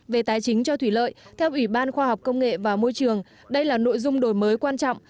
về tài chính cho thủy lợi theo ủy ban khoa học công nghệ và môi trường đây là nội dung đổi mới quan trọng